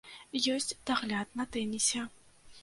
Ёсць дагляд на тэнісе.